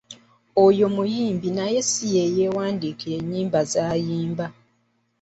Oyo muyimbi naye si yeyeewandiikira enyimba z'ayimba.